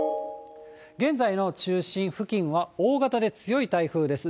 現在の中心付近は大型で強い台風です。